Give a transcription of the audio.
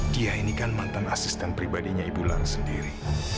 dia ini kan mantan asisten pribadinya ibu lar sendiri